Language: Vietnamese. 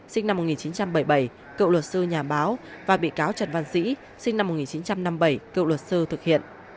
sinh năm một nghìn chín trăm bảy mươi bảy cựu luật sư nhà báo và bị cáo trần văn sĩ sinh năm một nghìn chín trăm năm mươi bảy cựu luật sư thực hiện